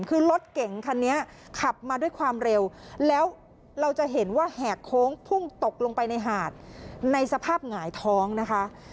คือรถเก่งคันนี้ขับมาด้วยความเร็วแล้วเราจะเห็นว่าแหกโค้งพุ่งตกลงไปในหาดในสภาพหงายท้องนะคะ